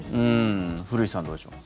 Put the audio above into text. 古市さん、どうでしょう。